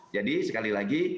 jadi sekali lagi